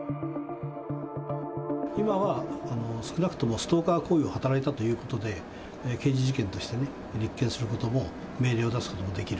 今は、少なくともストーカー行為を働いたということで、刑事事件としてね、立件することも、命令を出すこともできる。